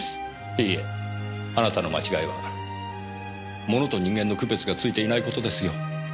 いいえあなたの間違いは物と人間の区別がついていないことですよ。